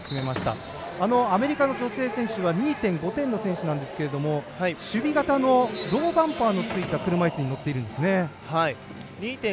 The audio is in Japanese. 女性選手は２．５点の選手なんですが守備型のローバンパーのついた車いすに乗っているんですね。